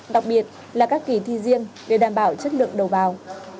đặc biệt là các kỳ thi riêng để đảm bảo chất lượng đầu vào